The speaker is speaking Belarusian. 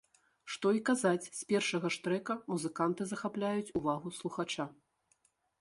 Што і казаць, з першага ж трэка музыканты захапляюць увагу слухача.